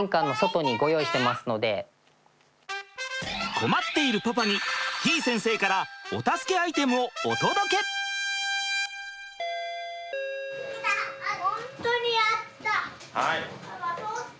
困っているパパにてぃ先生からお助けアイテムをお届け！せの！